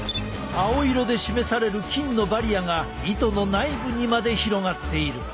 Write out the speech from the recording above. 青色で示される菌のバリアが糸の内部にまで広がっている。